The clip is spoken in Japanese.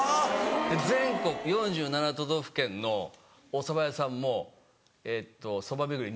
全国４７都道府県のおそば屋さんもそば巡り